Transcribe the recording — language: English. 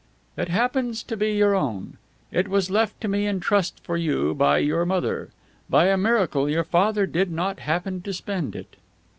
"It happens to be your own. It was left to me in trust for you by your mother. By a miracle your father did not happen to spend it."